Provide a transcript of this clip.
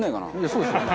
そうですよね。